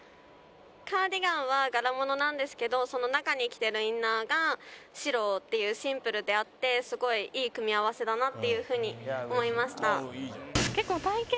カーディガンは柄物なんですけど中に着てるインナーが白っていうシンプルであってすごいいい組み合わせだなっていう風に思いました。